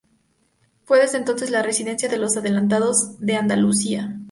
Fue desde entonces la residencia de los adelantados de Andalucía.